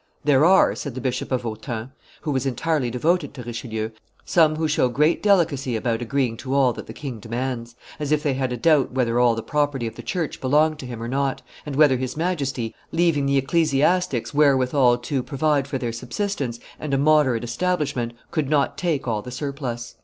"There are," said the Bishop of Autun, who was entirely devoted to Richelieu, "some who show great delicacy about agreeing to all that the king demands, as if they had a doubt whether all the property of the church belonged to him or not, and whether his Majesty, leaving the ecclesiastics wherewithal to provide for their subsistence and a moderate establishment, could not take all the surplus."